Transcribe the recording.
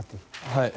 はい。